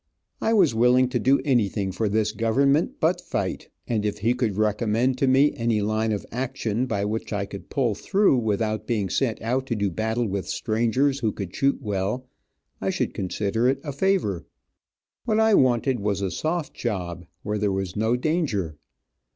I was willing to do anything for this government but fight; and if he could recommend to me any line of action by which I could pull through without being sent out to do battle with strangers who could shoot well, I should consider it a favor. What I wanted was a soft job, where there was no danger.